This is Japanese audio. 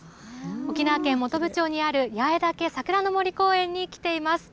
沖縄県本部町にある八重岳桜の森公園に来ています。